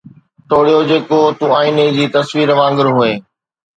ٽوڙيو جيڪو تون آئيني جي تصوير وانگر هئين